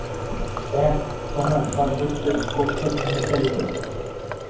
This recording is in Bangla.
ভ্যান্স, তোমার সর্বোচ্চ স্কোর তো ভেঙে ফেলবে।